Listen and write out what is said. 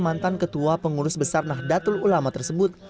mantan ketua pengurus besar nahdlatul ulama tersebut